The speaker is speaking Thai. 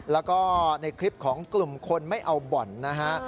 แล้วก็ในคลิปของกลุ่มคนไม่เอาบ่อนนะฮะ